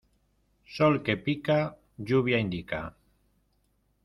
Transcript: Sol que pica, lluvia indica.